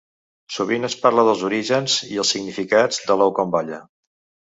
Sovint es parla dels orígens i significats de l’ou com balla.